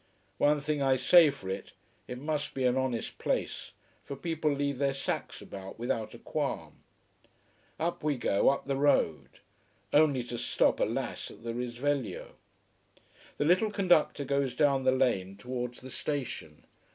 One thing I say for it, it must be an honest place. For people leave their sacks about without a qualm. Up we go, up the road. Only to stop, alas, at the Risveglio. The little conductor goes down the lane towards the station.